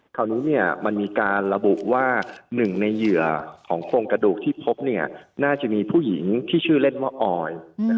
คราวนี้มันมีการระบุว่าหนึ่งในเหยื่อของโครงกระดูกที่พบน่าจะมีผู้หญิงที่ชื่อเล่นว่าออย